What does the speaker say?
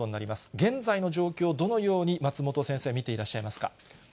現在の状況、どのように松本先生、見ていらっしゃいますか。